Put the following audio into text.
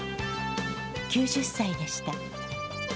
９０歳でした。